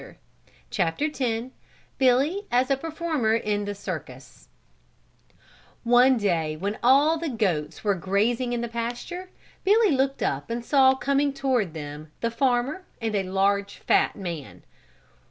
Billy As a Performer in the Circus One day when all the goats were grazing in the pasture, Billy looked up and saw coming toward them the farmer and a large, fat man.